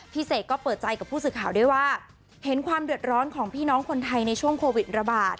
เสกก็เปิดใจกับผู้สื่อข่าวด้วยว่าเห็นความเดือดร้อนของพี่น้องคนไทยในช่วงโควิดระบาด